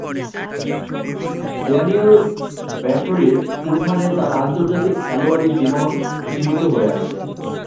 Daniel ভেট্টোরি’র উত্থানে তার আন্তর্জাতিক খেলোয়াড়ী জীবন সীমিত হয়ে আসে।